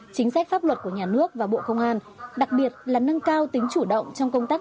chính sách pháp luật của nhà nước và bộ công an đặc biệt là nâng cao tính chủ động trong công tác